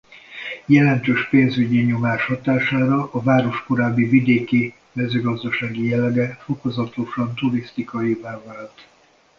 Jelentős pénzügyi nyomás hatására a város korábbi vidéki-mezőgazdasági jellege fokozatosan turisztikaivá vált.